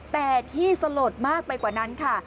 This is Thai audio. แต่ที่สลดมากไปกว่านั้นค่ะ